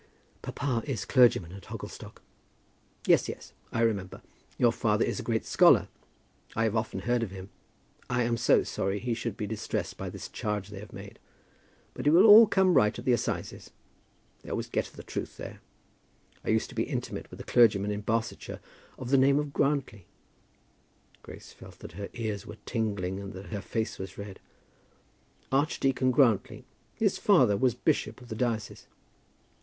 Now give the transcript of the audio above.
"Papa is clergyman at Hogglestock." "Yes, yes; I remember. Your father is a great scholar. I have often heard of him. I am so sorry he should be distressed by this charge they have made. But it will all come right at the assizes. They always get at the truth there. I used to be intimate with a clergyman in Barsetshire of the name of Grantly;" Grace felt that her ears were tingling, and that her face was red; "Archdeacon Grantly. His father was bishop of the diocese."